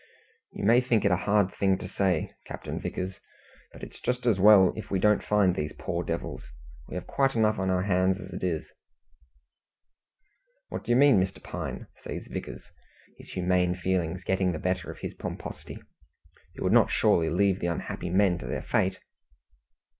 "You may think it a hard thing to say, Captain Vickers, but it's just as well if we don't find these poor devils. We have quite enough on our hands as it is." "What do you mean, Mr. Pine?" says Vickers, his humane feelings getting the better of his pomposity. "You would not surely leave the unhappy men to their fate."